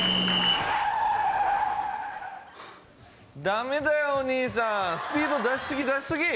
ダメだよお兄さんスピード出し過ぎ出し過ぎ。